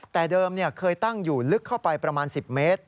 แต่เดิมเคยตั้งอยู่ลึกเข้าไปประมาณ๑๐เมตร